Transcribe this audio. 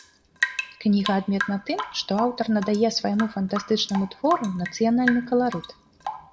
Кніга адметна тым, што аўтар надае свайму фантастычнаму твору нацыянальны каларыт.